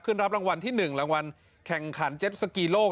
รับรางวัลที่๑รางวัลแข่งขันเจ็ปสกีโลก